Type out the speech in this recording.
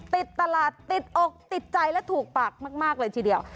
ติดตลาดติดอกติดใจและถูกปากมากเลยทีเดียว